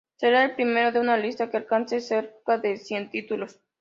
Sería el primero de una lista que alcanza cerca de cien títulos.